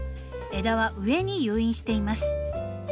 枝は上に誘引しています。